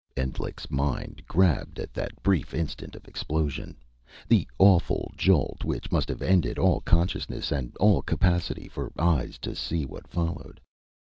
Endlich's mind grabbed at that brief instant of explosion. The awful jolt, which must have ended all consciousness, and all capacity for eyes to see what followed.